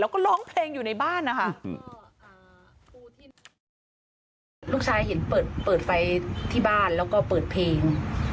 แล้วก็ร้องเพลงอยู่ในบ้านนะคะลูกชายเห็นเปิดเปิดไฟที่บ้านแล้วก็เปิดเพลง